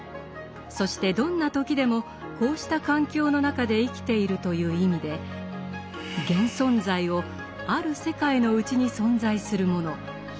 そしてどんな時でもこうした環境の中で生きているという意味で現存在をある世界の内に存在するもの